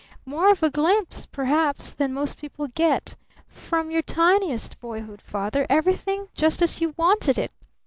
More of a glimpse, perhaps, than most people get. From your tiniest boyhood, Father, everything just as you wanted it!